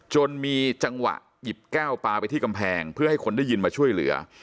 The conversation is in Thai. จนมีจังหวะหยิบแก้วปลาไปที่กำแพงเพื่อให้คนได้ยินมาช่วยเหลือ